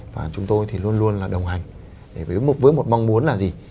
và chúng tôi thì luôn luôn là đồng hành với một mong muốn là gì